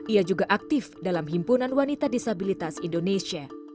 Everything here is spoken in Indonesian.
ia juga aktif dalam himpunan wanita disabilitas indonesia